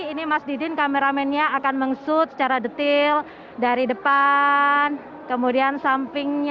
ini mas didin kameramennya akan meng sut secara detail dari depan kemudian sampingnya